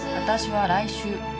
私は来週。